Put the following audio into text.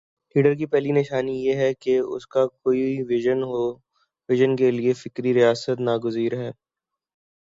Leader کی پہلی نشانی یہ ہے کہ اس کا کوئی وژن ہو وژن کے لیے فکری ریاضت ناگزیر ہے۔